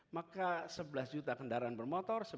maka sebelas juta kendaraan bermotor